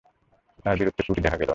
তাঁর বীরত্বে ত্রুটি দেখা গেল না।